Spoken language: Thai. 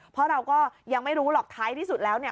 เพราะเราก็ยังไม่รู้หรอกท้ายที่สุดแล้วเนี่ย